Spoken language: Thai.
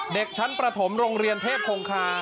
เด็กชั้นประถมโรงเรียนเทพคงคา